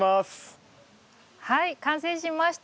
はい完成しました。